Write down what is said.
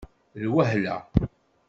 Lwehla